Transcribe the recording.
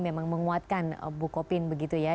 memang menguatkan bukopin begitu ya